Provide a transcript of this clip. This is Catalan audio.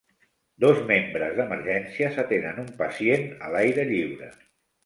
Dos membres d'emergències atenen un pacient a l'aire lliure.